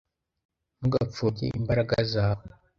Ntugapfobye imbaraga zawe